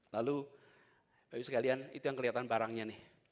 lalu baik baik sekalian itu yang kelihatan barangnya nih